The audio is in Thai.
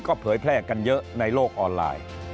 ก็เผยแพร่กันเยอะในโลกออนไลน์